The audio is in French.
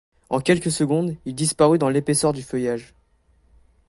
En quelques secondes, il disparut dans l’épaisseur du feuillage.